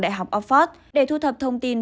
đại học oxford để thu thập thông tin